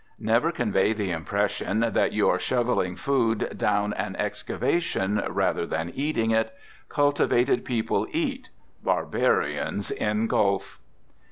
Never convey the impression that you are shoveling food down an excavation rather than eating it. Cultivated people eat, barbarians engulf.